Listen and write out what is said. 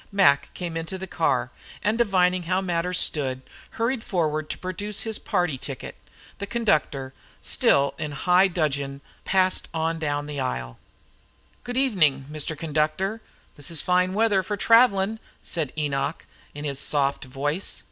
Mac came into the car, and divining how matters stood, hurried forward to produce his party ticket. The conductor, still in high dudgeon, passed on down the aisle. "Good evenin', Mr. Conductor, this's fine weather for travellin'," said Enoch, in his soft voice.